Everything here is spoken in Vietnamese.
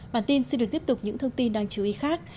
bản tin sẽ được tiếp tục những thông tin đáng chú ý khác